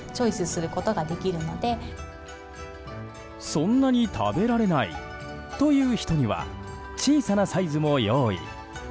そんなに食べられないという人には小さなサイズも用意。